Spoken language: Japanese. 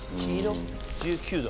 １９度。